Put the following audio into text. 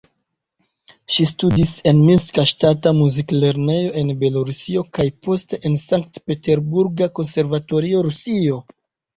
Ŝi studis en Minska Ŝtata Muzik-Lernejo en Belorusio kaj poste en Sankt-Peterburga Konservatorio, Rusio.